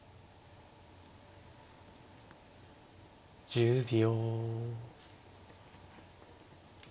１０秒。